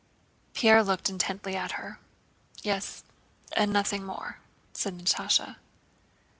Pierre looked intently at her. "Yes, and nothing more," said Natásha.